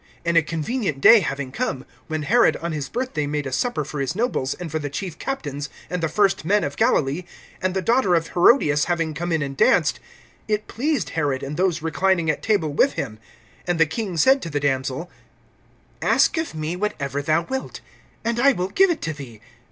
(21)And a convenient day having come, when Herod on his birthday made a supper for his nobles, and for the chief captains, and the first men of Galilee; (22)and the daughter of Herodias having come in and danced, it pleased Herod and those reclining at table with him; and the king said to the damsel: Ask of me whatever thou wilt, and I will give it thee.